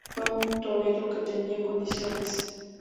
Fue un torero que tenía condiciones.